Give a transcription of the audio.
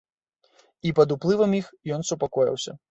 І пад уплывам іх ён супакоіўся.